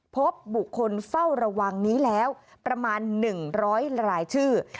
พบบุคคลเฝ้าระวังนี้แล้วประมาณ๑๐๐รายชื่อ